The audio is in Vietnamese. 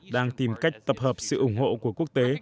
đang tìm cách tập hợp sự ủng hộ của quốc tế